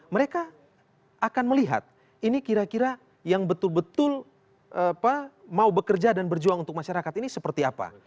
mereka akan melihat ini kira kira yang betul betul mau bekerja dan berjuang untuk masyarakat ini seperti apa